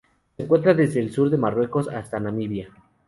Se encuentra desde el sur del Marruecos hasta Namibia.